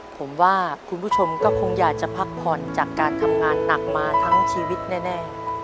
ผมว่าคุณผู้ชมก็คงอยากจะพักผ่อนจากการทำงานหนักมาทั้งชีวิตแน่